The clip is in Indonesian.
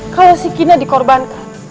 kalau si kina dikorbankan